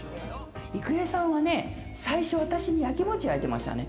郁恵さんはね、最初、私にやきもちやいてましたね。